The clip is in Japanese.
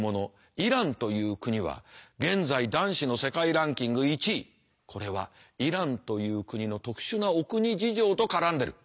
イランという国は現在男子の世界ランキング１位これはイランという国の特殊なお国事情と絡んでる。